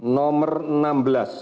pasien dengan identifikasi lima belas